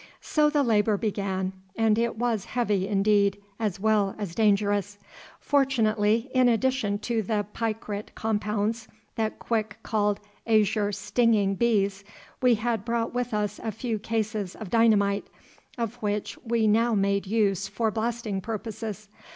So the labour began, and it was heavy indeed as well as dangerous. Fortunately, in addition to the picrate compounds that Quick called "azure stinging bees," we had brought with us a few cases of dynamite, of which we now made use for blasting purposes.